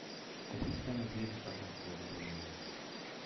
Es ist eine Seebestattung vorgesehen.